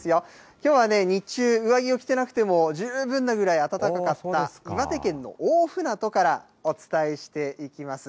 きょうはね、日中、上着を着てなくても十分なぐらい暖かった、岩手県の大船渡からお伝えしていきます。